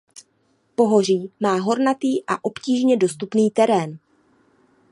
Pohoří má hornatý a obtížně dostupný terén.